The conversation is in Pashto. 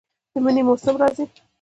د منی موسم راځي